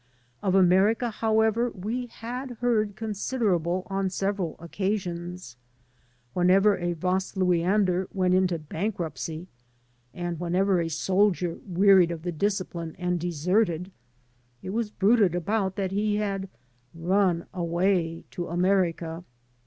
Of Amer ica, however, we had heard considerable on several occasions. Whenever a Vasluiander went into bank ruptcy, and whenever a soldier wearied of the discipline and deserted, it was bruited abroad that he had ''run away to America."